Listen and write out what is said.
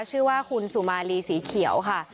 ชื่อว่าคุณสุมาลีสีเขียวค่ะ